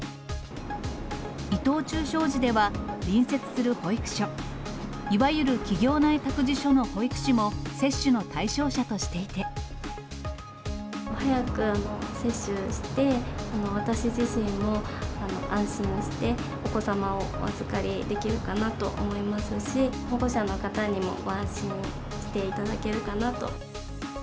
伊藤忠商事では、隣接する保育所、いわゆる企業内託児所の保育士も、早く接種して、私自身も安心をして、お子様をお預かりできるかなと思いますし、保護者の方にもご安心していただけるかなと。